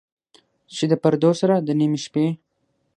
چې د پردو سره، د نیمې شپې،